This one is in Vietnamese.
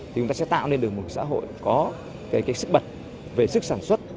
thì chúng ta sẽ tạo nên được một xã hội có cái sức bật về sức sản xuất